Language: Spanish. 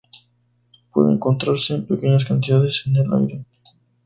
Puede encontrarse en pequeñas cantidades en el aire.